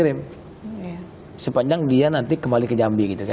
dari pemprov kemudian juga r sales sepanjang dia nanti kembali ke jambi knitengen yang kedua